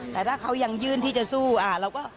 แต่ถ้าเขายังยื่นที่จะสู้เราก็